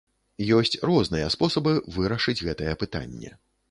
Ёсць розныя спосабы вырашыць гэтае пытанне.